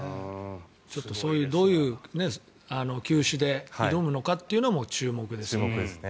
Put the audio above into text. どういう球種で挑むのかというのも注目ですよね。